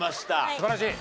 素晴らしい。